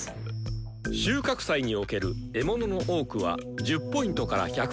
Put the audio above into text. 収穫祭における獲物の多くは１０Ｐから１５０Ｐ。